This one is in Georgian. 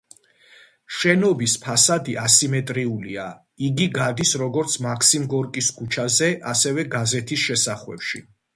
შენობის ფასადი ასიმეტრიულია, იგი გადის როგორც მაქსიმ გორკის ქუჩაზე, ასევე გაზეთის შესახვევში.